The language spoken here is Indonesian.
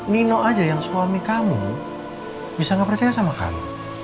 nino aja yang suami kamu bisa nggak percaya sama kamu